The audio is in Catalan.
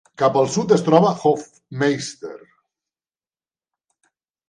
Cap al sud es troba Hoffmeister.